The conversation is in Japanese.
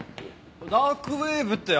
ダークウェブってあれ？